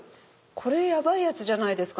これヤバいやつじゃないですか？